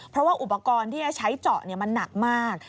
เพราะว่าอุปกรณ์ที่จะใช้เจาะมันหนักมาก